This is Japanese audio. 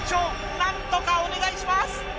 なんとかお願いします！